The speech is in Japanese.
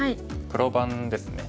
黒番ですね。